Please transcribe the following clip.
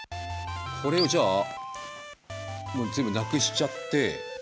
これをじゃあ全部なくしちゃって。